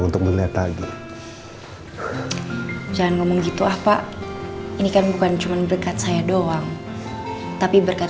terima kasih banyak ya kat